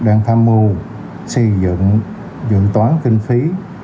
đang tham mưu xây dựng dự toán kinh phí